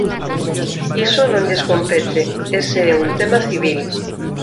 Iso non lles compete, ese é un tema civil.